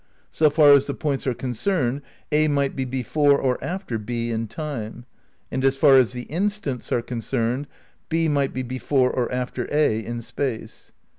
"So far as the points are concerned A might be before or after B in time." And as far as the instants are concerned h might be before or after a in space.